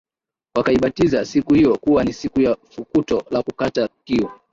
Wakaibatiza siku hiyo kuwa ni siku ya fukuto la kukata kiu